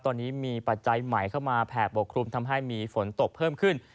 ตอนนี้มีปัจจัยใหม่เข้ามาแผ่ปกครุมทำให้มีฝนตกเพิ่มขึ้น